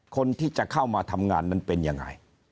คนที่จะเข้ามาทำงานนั้นเป็นยังไง